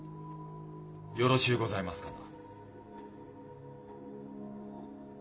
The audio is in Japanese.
よろしうございますかな。